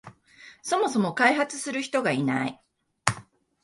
そもそも開発する人がいない